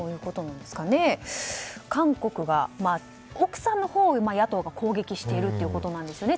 韓国は奥さんのほうを野党が攻撃しているということですね。